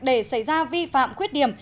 để xảy ra vi phạm khuyết điểm